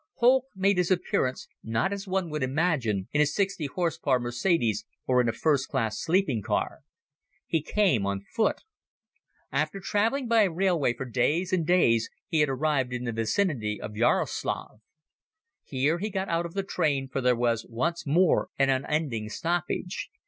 Holck made his appearance, not as one would imagine, in a 60 h. p. Mercedes or in a first class sleeping car. He came on foot. After traveling by railway for days and days he had arrived in the vicinity of Jaroslav. Here he got out of the train for there was once more an unending stoppage.